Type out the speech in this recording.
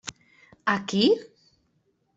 Aquí?